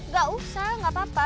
gak usah nggak apa apa